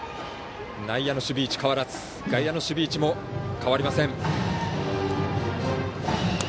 内野の守備位置、外野の守備位置変わりません。